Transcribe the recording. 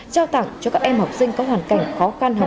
trao tặng cho các em học sinh có hoàn cảnh khó khăn học